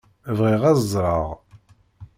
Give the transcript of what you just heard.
Bɣiɣ ad ẓṛeɣ.